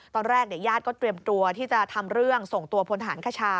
ตอนแรกญาติก็เตรียมตัวที่จะทำเรื่องส่งตัวพลทหารคชา